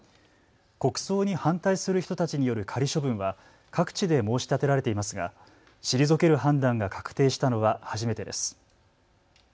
国葬に反対する人たちによる仮処分は各地で申し立てられていますが退ける判断が確定したのは初めてです。